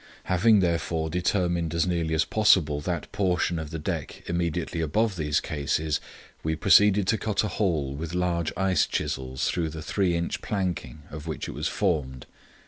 Having, therefore, determined as nearly as possible that portion of the deck immediately above these cases, we proceeded to cut a hole with large ice chisels through the 3 in. planking of which it was formed.